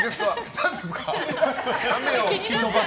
何ですか？